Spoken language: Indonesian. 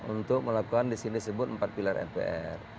untuk melakukan disini disebut empat pilar mpr